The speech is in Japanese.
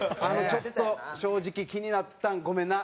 ちょっと正直気になったんごめんな。